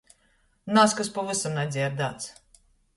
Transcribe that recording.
Nazkas pavysam nadzierdāts!